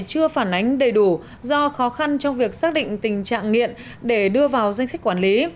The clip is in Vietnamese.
chưa phản ánh đầy đủ do khó khăn trong việc xác định tình trạng nghiện để đưa vào danh sách quản lý